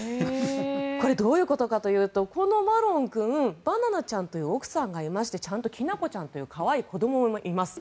これはどういうことかというとこのマロン君はバナナちゃんという奥さんがいましてちゃんときなこちゃんという可愛い子どももいます。